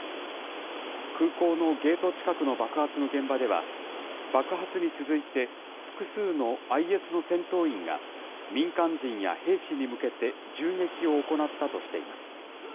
空港のゲート近くの爆発の現場では、爆発に続いて、複数のＩＳの戦闘員が、民間人や兵士に向けて銃撃を行ったとしています。